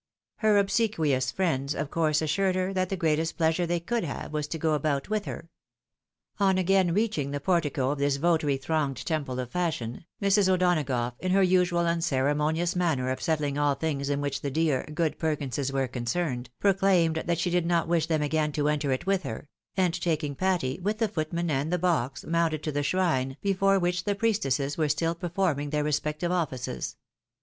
Her obsequious friends, of course, assured her that the greatest pleasure they could have was to go about with her. On again reaching the portico of this votary thronged temple of fashion, Mrs. O'Donagough, in her usual unceremonious A MATERNAL LESSON IN MORALS. ."S3 manner of settling all things in which the dear, good Perkinses were concerned, proclaimed that she did not wish them again to enter it with her, and taking Patty, with the footman and the box, mounted to the shrine, before which the priestesses were still performing their respective offices.